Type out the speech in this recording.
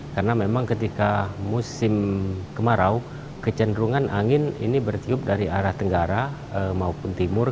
karena memang ketika musim kemarau kecenderungan angin ini bertiup dari arah tenggara maupun timur